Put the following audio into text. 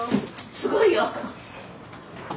すごいよ。